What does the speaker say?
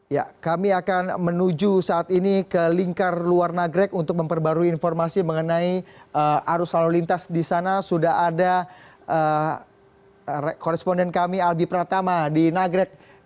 ya kami akan menuju saat ini ke lingkar luar nagrek untuk memperbarui informasi mengenai arus lalu lintas di sana sudah ada koresponden kami albi pratama di nagrek